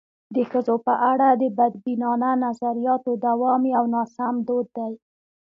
د ښځو په اړه د بدبینانه نظریاتو دوام یو ناسم دود دی.